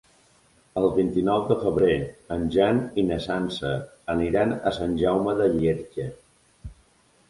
El vint-i-nou de febrer en Jan i na Sança aniran a Sant Jaume de Llierca.